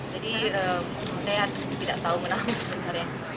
jadi saya tidak tahu menang sebenarnya